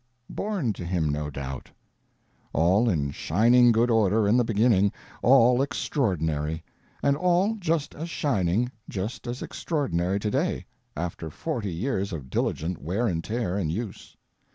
Born to him, no doubt. All in shining good order in the beginning, all extraordinary; and all just as shining, just as extraordinary today, after forty years of diligent wear and tear and use.